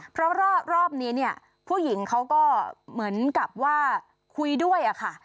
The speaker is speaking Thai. เพราะรอบนี้เนี่ยผู้หญิงเขาก็เหมือนกับว่าคุยด้วยอะค่ะ